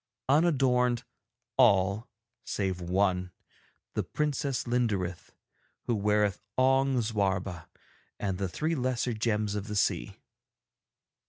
Unadorned all save one, the Princess Linderith, who weareth Ong Zwarba and the three lesser gems of the sea.